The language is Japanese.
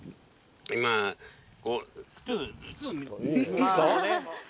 いいですか！